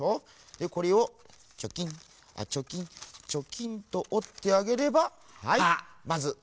でこれをチョキンあっチョキンチョキンとおってあげればはいまずうえのほうができあがり。